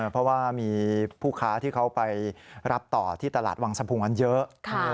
เพราะว่ามีผู้ค้าที่เขาไปรับต่อที่ตลาดวังสะพุงกันเยอะ